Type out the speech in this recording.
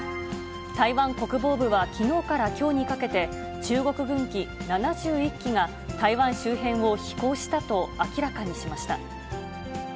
台湾国防部はきのうからきょうにかけて、中国軍機７１機が、台湾周辺を飛行したと明らかにしました。